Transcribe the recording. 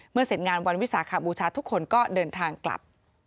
เสร็จงานวันวิสาขบูชาทุกคนก็เดินทางกลับ